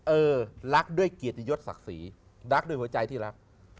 เออรักด้วยเกียรติยศศักดิ์ศรีรักด้วยหัวใจที่รัก